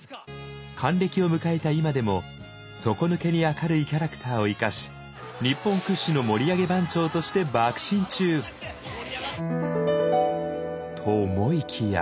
還暦を迎えた今でも底抜けに明るいキャラクターを生かし日本屈指の盛り上げ番長としてばく進中！と思いきや。